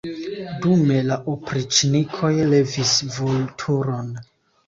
Dume la opriĉnikoj levis Vulturon.